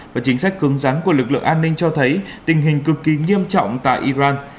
và chính sách cứng rắn của lực lượng an ninh cho thấy tình hình cực kỳ nghiêm trọng tại iran